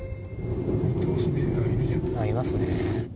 いますね。